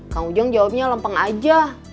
kang ujang jawabnya lempeng aja